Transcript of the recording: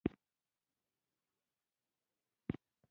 د ښوونکي لارښوونه د زده کوونکو بریا کې مرسته وکړه.